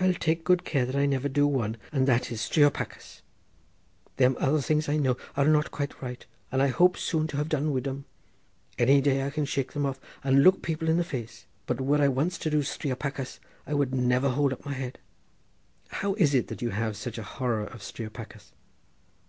"I'll take good care that I never do one, and that is striopachas; them other things I know are not quite right, and I hope soon to have done wid them; any day I can shake them off and look people in the face, but were I once to do striopachas I could never hold up my head." "How comes it that you have such a horror of striopachas?"